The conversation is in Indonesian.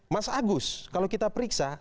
mas agus kalau kita periksa